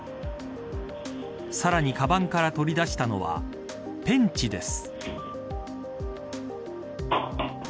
さらに、かばんから取り出したのはペンチです。